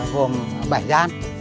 gồm bảy gian